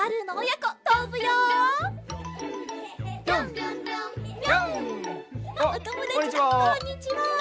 こんにちは。